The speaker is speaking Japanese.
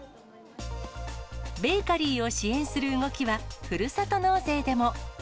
ベーカリーを支援する動きは、ふるさと納税でも。